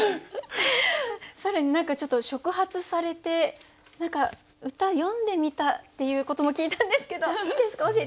更に何かちょっと触発されて何か歌詠んでみたっていうことも聞いたんですけどいいですか？